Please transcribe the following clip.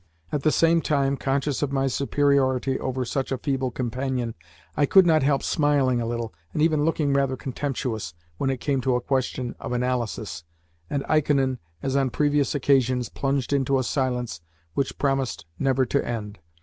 At the same time, conscious of my superiority over such a feeble companion, I could not help smiling a little, and even looking rather contemptuous, when it came to a question of analysis, and Ikonin, as on previous occasions, plunged into a silence which promised never to end.